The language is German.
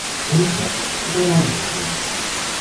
Hidden Track: "It's Alright with Me"